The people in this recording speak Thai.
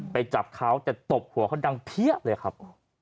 ไปจับเขาแต่ตบหัวเขาดังเพียบเลยครับ